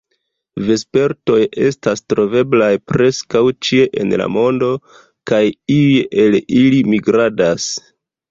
Vespertoj estas troveblaj preskaŭ ĉie en la mondo, kaj iuj el ili migradas.